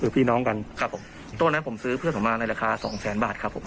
คือพี่น้องกันครับผมโต๊ะนั้นผมซื้อเพื่อนผมมาในราคาสองแสนบาทครับผม